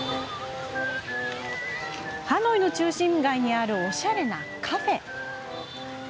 ハノイの中心街にあるおしゃれなカフェ。